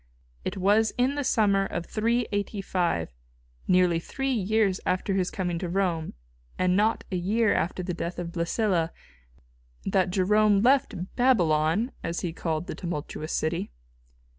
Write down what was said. It was in the summer of 385, nearly three years after his coming to Rome, and not a year after the death of Blæsilla, that Jerome left "Babylon," as he called the tumultuous city.